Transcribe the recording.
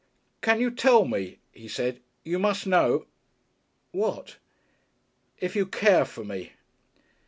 "Can you tell me?" he said. "You must know " "What?" "If you care for me?"